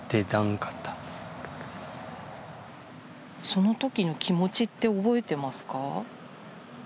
そのときの気持ちって覚えてますか？